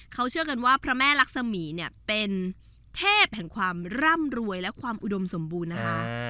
เขาเชื่อกันว่าพระแม่ลักษมีเนี่ยเป็นเทพแห่งความร่ำรวยและความอุดมสมบูรณ์นะคะ